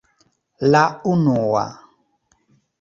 - La unua...